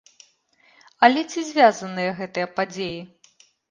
Але ці звязаныя гэтыя падзеі?